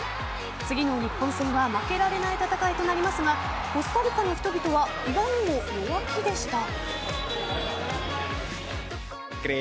次の日本戦は負けられない戦いとなりますがコスタリカの人々は意外にも弱気でした。